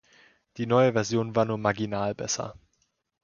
Die neue Version war nur marginal besser.